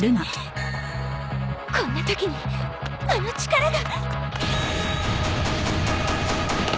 こんなときにあの力が。